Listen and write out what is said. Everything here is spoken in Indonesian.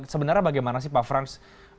sebenarnya bagaimana sih pak frans